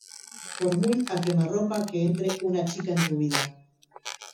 por muy a_quemarropa que entre una chica en tu vida